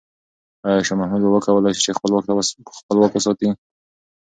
آیا شاه محمود به وکولای شي چې خپل واک وساتي؟